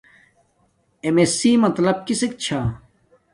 اݵم اݵس سی مطلپ کِسݵک چھݳ؟